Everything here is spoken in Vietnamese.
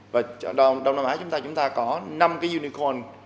và đông nam á chúng ta có năm cái unicorn